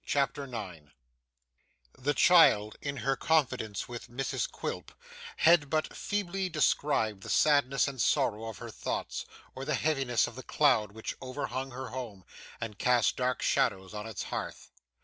CHAPTER 9 The child, in her confidence with Mrs Quilp, had but feebly described the sadness and sorrow of her thoughts, or the heaviness of the cloud which overhung her home, and cast dark shadows on its hearth.